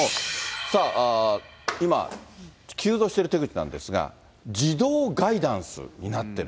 さあ、今、急増している手口なんですが、自動ガイダンスになってる。